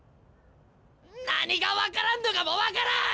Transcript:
何が分からんのかも分からん！